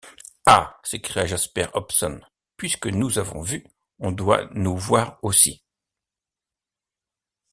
Ah! s’écria Jasper Hobson, puisque nous avons vu, on doit nous voir aussi !